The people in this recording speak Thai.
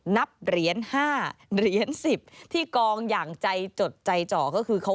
นับเหรียญ๕เหรียญ๑๐ที่กองอย่างใจจดใจจ่อก็คือเขา